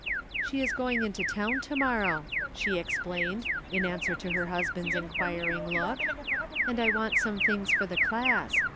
" She is going into town to morrow, "^^e ex plained, in answer to her husband's inquiring look, " and I want some things for the class.